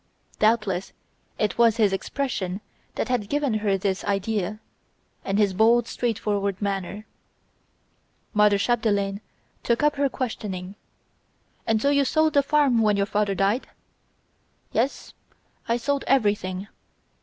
Doubtless it was his expression that had given her this idea, and his bold straightforward manner. Mother Chapdelaine took up her questioning: "And so you sold the farm when your father died?" "Yes, I sold everything.